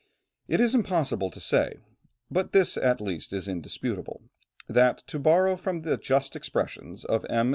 It is impossible to say, but this at least is indisputable, that, to borrow the just expressions of M.